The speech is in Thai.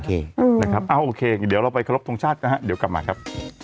เอาโอเคเดี๋ยวเราไปคล้อมทงชาตินะครับ